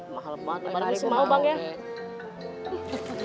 mahal banget rp lima mau bang ya